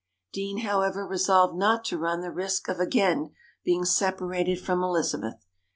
Deane, however, resolved not to run the risk of again being separated from Elizabeth.